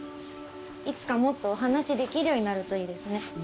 いつかもっとお話しできるようになるといいですね。